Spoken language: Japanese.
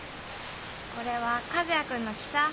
これは和也君の木さぁ。